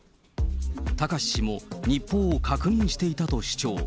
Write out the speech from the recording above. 貴志氏も日報を確認していたと主張。